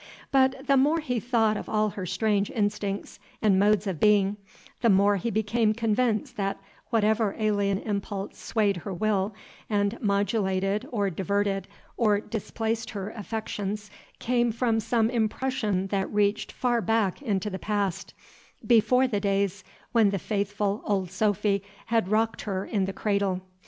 But the more he thought of all her strange instincts and modes of being, the more he became convinced that whatever alien impulse swayed her will and modulated or diverted or displaced her affections came from some impression that reached far back into the past, before the days when the faithful Old Sophy had rocked her in the cradle.